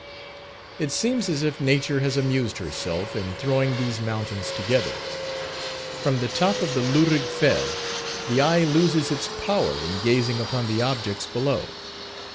It seems as if Nature has amused herself in throwing these mountains together. From the top of the Loughrigg Fell, the eye loses its power in gazing upon the objects below.